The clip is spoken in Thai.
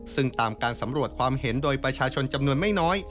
ซึ่งตามการสำรวจความเห็นโดยประชาชนจำนวนไม่น้อย